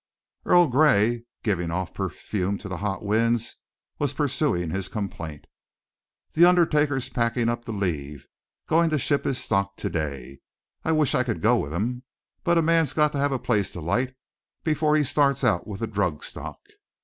Earl Gray, giving off perfume to the hot winds, was pursuing his complaint. "The undertaker's packin' up to leave, goin' to ship his stock today. I wish I could go with him, but a man's got to have a place to light before he starts out with a drug stock."